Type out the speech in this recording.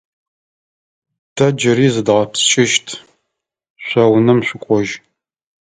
Тэ джыри зыдгъэпскӏыщт, шъо унэм шъукӏожь.